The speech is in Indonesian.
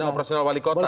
dana operasional wali kota